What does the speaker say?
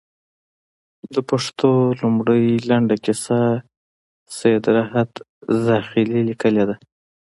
د پښتو لومړۍ لنډه کيسه، سيدراحت زاخيلي ليکلې ده